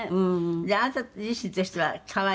「あなた自身としては可愛い？」